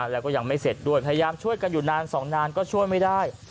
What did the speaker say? แล้วก็ยังไม่เสร็จด้วยพยายามช่วยกันอยู่นานสองนานก็ช่วยไม่ได้